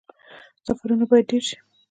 سفرونه باید ډیر شي